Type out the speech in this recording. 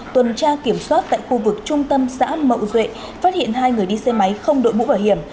tuần tra kiểm soát tại khu vực trung tâm xã mậu duệ phát hiện hai người đi xe máy không đội mũ bảo hiểm